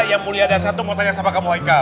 yang mulia dasar mau tanya sama kamu